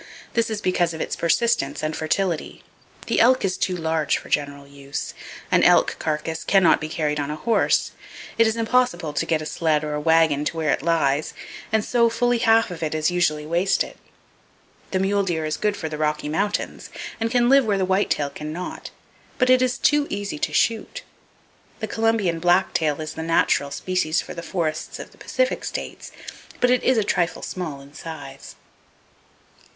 This is because of its persistence and fertility. The elk is too large for general use. An elk carcass can not be carried on a horse; it is impossible to get a sled or a wagon to where it lies; and so, fully half of it usually is wasted! The mule deer is good for the Rocky Mountains, and can live where the white tail can not; but it is too easy to shoot! The Columbian black tail is the natural species for the forests of the Pacific states; but it is a trifle small in size.